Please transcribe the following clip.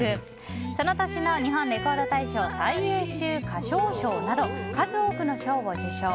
その年の日本レコード大賞最優秀歌唱賞など数多くの賞を受賞。